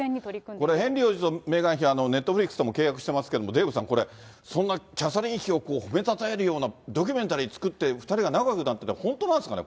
これ、ヘンリー王子とメーガン妃、ネットフリックスとも契約してますけれども、デーブさん、これ、そんなキャサリン妃をほめたたえるようなドキュメンタリー作って、２人が仲よくなったって、本当なんですかね？